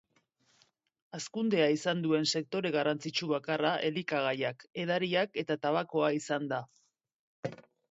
Hazkundea izan duen sektore garrantzitsu bakarra elikagaiak, edariak eta tabakoa izan da.